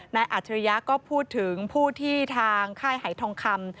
นายอัธริยะก็พูดถึงผู้ที่ทางค่ายไฮทองคำ